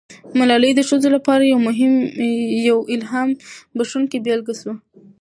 ملالۍ د ښځو لپاره یوه الهام بښونکې بیلګه سوه.